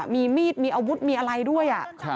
มีมีดมีอาวุธมีอะไรด้วย